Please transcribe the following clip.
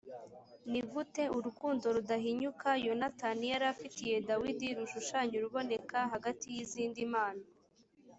ni gute urukundo rudahinyuka yonatani yari afitiye dawidi rushushanya uruboneka hagati y’izindi mana